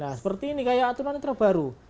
nah seperti ini kayak tuna netra baru